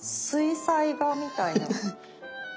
水彩画みたいな。